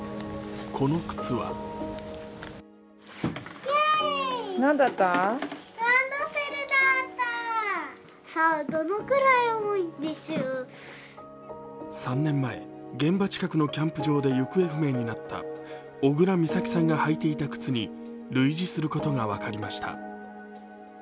この靴は３年前、現場近くのキャンプ場で行方不明になった小倉美咲さんが履いていた靴に類似することが分かりました。